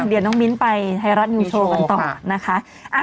เดี๋ยวน้องมิ้นไปไทยรัฐนิวโชว์กันต่อนะคะ